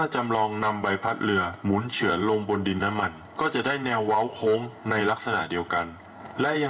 หรือเป็นคำแก้ตัวค่ะ